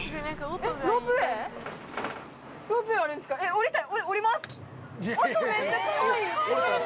降りたい。